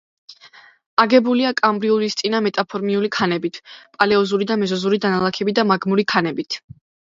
აგებულია კამბრიულისწინა მეტამორფული ქანებით, პალეოზოური და მეზოზოური დანალექი და მაგმური ქანებით.